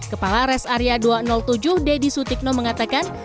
kepala res area dua ratus tujuh deddy sutikno mengatakan